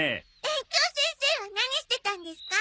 園長先生は何してたんですか？